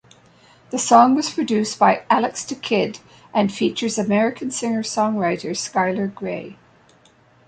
The song was produced by Alex da Kid and features American singer-songwriter Skylar Grey.